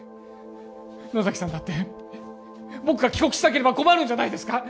野崎さんだって僕が帰国しなければ困るんじゃないですか？